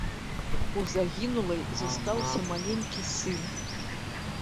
У загінулай застаўся маленькі сын.